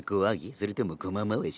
それともこま回し？